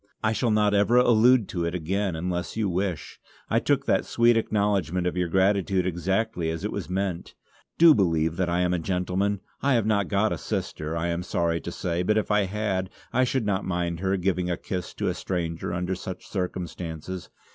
I shall not ever allude to it again unless you wish. I took that sweet acknowledgment of your gratitude exactly as it was meant. Do believe that I am a gentleman. I have not got a sister, I am sorry to say, but if I had, I should not mind her giving a kiss to a stranger under such circumstances.